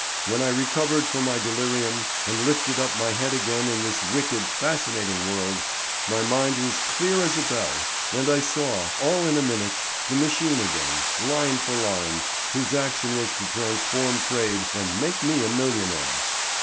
When I recovered from my delirium and lifted up my head again in this wicked, fascinating world, my mind was clear as a bell and I saw, all in a minute, the machine again, line for line, whose action was to transform trade and make me a millionaire.